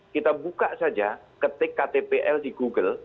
kita buka saja ketik ktpl di google